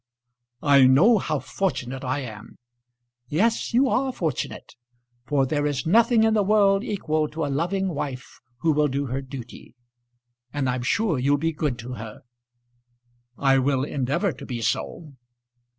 "I know how fortunate I am." "Yes, you are fortunate. For there is nothing in the world equal to a loving wife who will do her duty. And I'm sure you'll be good to her." "I will endeavour to be so."